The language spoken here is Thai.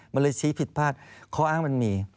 มันเลยชี้ผิดพลาดข้ออ้างมันมี